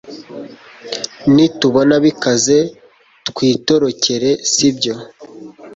nitubona bikaze twitorokere, sibyo